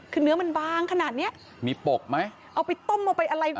คือเนื้อมันบางขนาดเนี้ยมีปกไหมเอาไปต้มเอาไปอะไร